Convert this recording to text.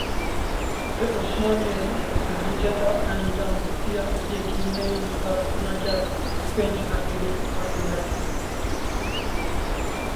Li Osmaniyeyê bi hinceta endamtiya Yekîneyên Parastina Gel pênc Efrînî hatin girtin.